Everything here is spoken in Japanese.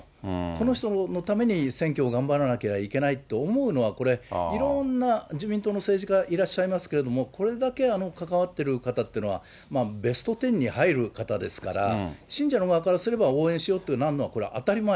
その人のために選挙を頑張らなきゃいけないと思うのはこれ、いろんな自民党の政治家いらっしゃいますけれども、これだけ関わってる方というのはベスト１０に入る方ですから、信者の側からすれば、応援しようとなるのは当たり前。